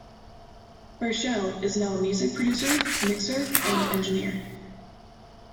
Burchell is now a music producer, mixer, and engineer.